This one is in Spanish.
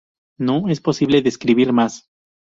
No es posible describir más.